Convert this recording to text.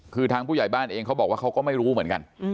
คือทางผู้ใหญ่บ้านเองเขาบอกว่าเขาก็ไม่รู้เหมือนกัน